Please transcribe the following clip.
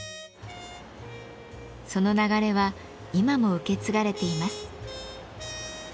その流れは今も受け継がれています。